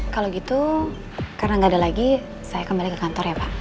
kalau gitu karena nggak ada lagi saya kembali ke kantor ya pak